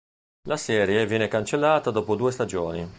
La serie viene cancellata dopo due stagioni.